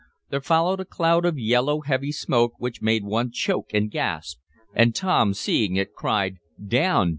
There followed a cloud of yellow, heavy smoke which made one choke and gasp, and Tom, seeing it, cried: "Down!